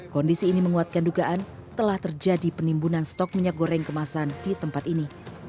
kondisi ini menguatkan dugaan telah terjadi penimbunan stok minyak goreng kemasan di tempat ini